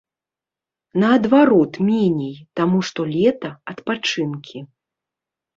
Наадварот, меней, таму што лета, адпачынкі.